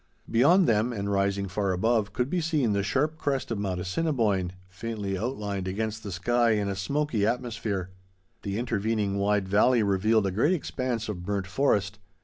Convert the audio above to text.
Beyond them, and rising far above, could be seen the sharp crest of Mount Assiniboine, faintly outlined against the sky in a smoky atmosphere. The intervening wide valley revealed a great expanse of burnt forest.